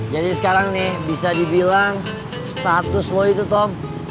jadi sekarang nih bisa dibilang status lo itu tom